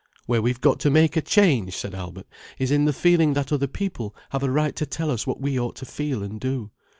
"Where we've got to make a change," said Albert, "is in the feeling that other people have a right to tell us what we ought to feel and do.